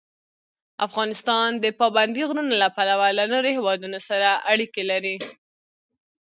افغانستان د پابندی غرونه له پلوه له نورو هېوادونو سره اړیکې لري.